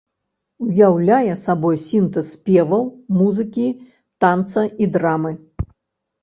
Уяўляе сабой сінтэз спеваў, музыкі, танца і драмы.